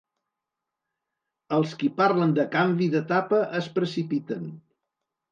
Els qui parlen de canvi d’etapa es precipiten.